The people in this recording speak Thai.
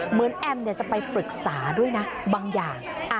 แอมจะไปปรึกษาด้วยนะบางอย่าง